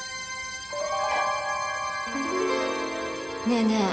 ねえねえ